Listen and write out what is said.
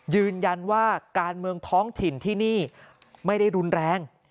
ยืนยันว่าการเมืองท้องถิ่นที่นี่ไม่ได้รุนแรง